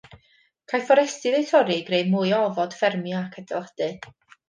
Caiff fforestydd eu torri i greu mwy o ofod ffermio ac adeiladu.